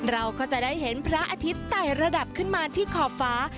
เราก็จะได้เห็นพระอาทิตย์ไต่ระดับขึ้นมาที่ขอบฟ้า